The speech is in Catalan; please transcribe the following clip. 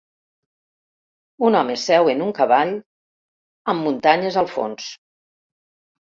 Un home seu en un cavall amb muntanyes al fons.